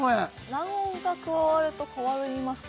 卵黄が加わると変わりますか？